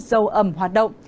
dầu ẩm hoạt động